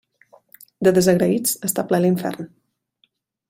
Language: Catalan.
De desagraïts està ple l'infern.